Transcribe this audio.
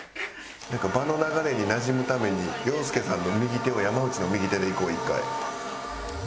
なんか場の流れになじむために陽介さんの右手を山内の右手でいこう１回。